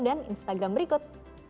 dan instagram berikut